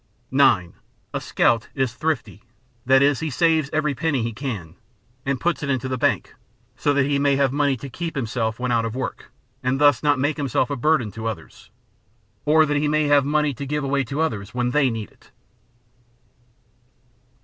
9. A Scout is Thrifty, that is, he saves every penny he can, and puts it into the bank, so that he may have money to 34 BOY SCOUTS OF AMERICA keep himself when out of work, and thus not make him self a burden to others; or that he may have money to give away to others when they need it.